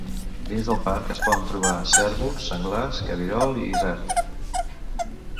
Dins del parc es poden trobar cérvols, senglars, cabirol i isard.